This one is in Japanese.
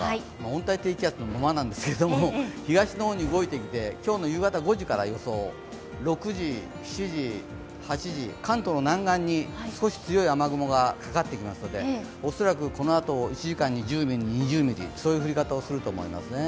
温帯低気圧のままなんですが東の方に動いてきて、今日の夕方５時からの予想、６時、７時、８時、関東の南岸に少し強い雨雲がかかってきますので恐らくこのあと１時間に１０ミリ、２０ミリといった降り方をするかもしれませんね。